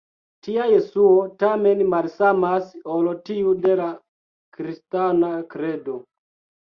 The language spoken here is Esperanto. Tia Jesuo, tamen, malsamas ol tiu de la kristana kredo.